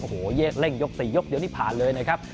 โอ้โหเร่งยก๔ยกเดียวนี่ผ่านเลยนะครับ